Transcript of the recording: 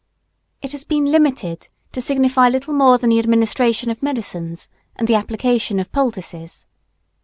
It has been limited to signify little more than the administration of medicines and the application of poultices.